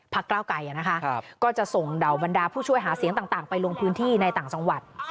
ก้าวไกรก็จะส่งเหล่าบรรดาผู้ช่วยหาเสียงต่างไปลงพื้นที่ในต่างจังหวัด